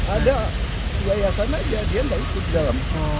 ada yayasan aja dia enggak ikut di dalam